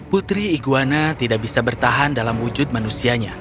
putri iguana tidak bisa bertahan dalam wujud manusianya